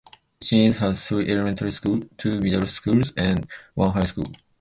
Shimizu has three elementary schools, two middle schools, and one high school.